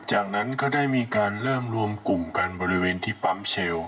จากนั้นก็ได้มีการเริ่มรวมกลุ่มกันบริเวณที่ปั๊มเชลล